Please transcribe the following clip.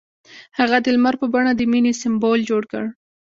هغه د لمر په بڼه د مینې سمبول جوړ کړ.